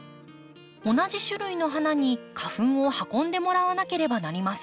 同じ種類の花に花粉を運んでもらわなければなりません。